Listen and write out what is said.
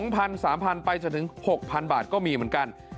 ๓๐๐๓๐๐ไปจนถึง๖๐๐บาทก็มีเหมือนกัน